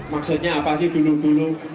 maksudnya apa sih dulu dulu